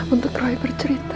untuk roy bercerita